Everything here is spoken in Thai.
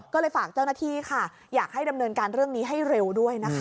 ก็เลยฝากเจ้าหน้าที่ค่ะอยากให้ดำเนินการเรื่องนี้ให้เร็วด้วยนะคะ